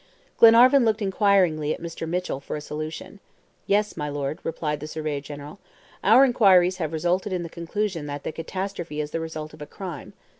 Glenarvan looked inquiringly at Mr. Mitchell for a solution. "Yes, my Lord," replied the surveyor general, "our inquiries have resulted in the conclusion that the catastrophe is the result of a crime.